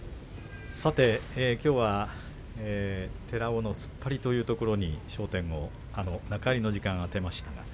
きょうは寺尾の突っ張りというところに、焦点を中入りの時間あてました。